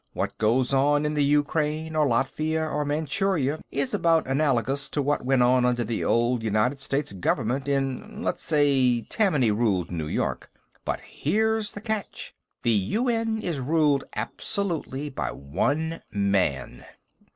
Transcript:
"What goes on in the Ukraine or Latvia or Manchuria is about analogous to what went on under the old United States government in, let's say, Tammany ruled New York. But here's the catch. The UN is ruled absolutely by one man."